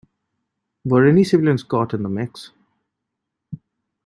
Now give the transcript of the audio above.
Were any civilians caught in the mix?